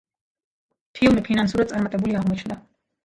ფილმი ფინანსურად წარმატებული აღმოჩნდა.